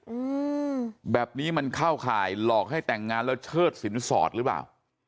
อืมแบบนี้มันเข้าข่ายหลอกให้แต่งงานแล้วเชิดสินสอดหรือเปล่า